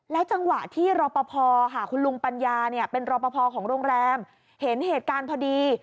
จังหวะที่รอปภคุณลุงปัญญาเป็นรอปภของโรงแรมเห็นเหตุการณ์พอดี